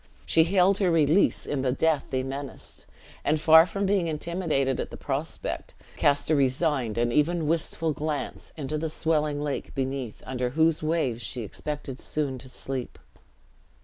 She hailed her release in the death they menaced; and far from being intimidated at the prospect, cast a resigned, and even wistful glance, into the swelling lake beneath, under whose waves she expected soon to sleep.